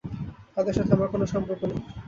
তাদের সাথে আমার কোন সম্পর্ক নেই।